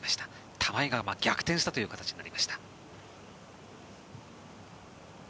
玉井が逆転したという形になりました。